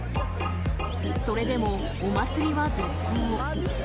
それでも、お祭りは続行。